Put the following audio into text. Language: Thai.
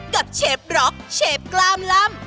เชฟร็อกเชฟกล้ามล่ำ